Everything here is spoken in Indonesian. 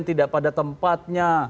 tidak pada tempatnya